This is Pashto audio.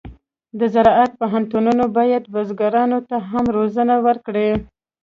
د زراعت پوهنتونونه باید بزګرانو ته هم روزنه ورکړي.